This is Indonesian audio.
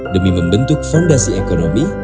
demi membentuk fondasi ekonomi